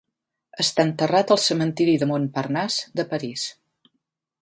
Està enterrat al Cementiri de Montparnasse de París.